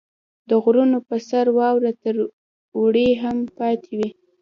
• د غرونو په سر واوره تر اوړي هم پاتې وي.